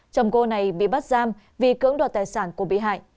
chồng cô này bị bắt giam vì cưỡng đoạt tài sản của bị hại